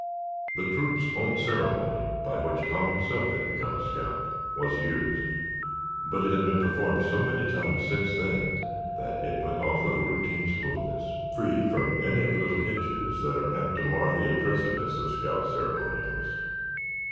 The troop's own ceremony, by which Tom himself had become a scout, was used, but it had been performed so many times since then that it went off with a routine smoothness, free from any of the little hitches that are apt to mar the impressiveness of scout ceremonials.